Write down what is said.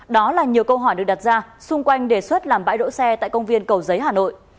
đó là nhiều câu hỏi được đặt ra xung quanh đề xuất làm bãi đỗ xe tại công viên cầu giấy hà nội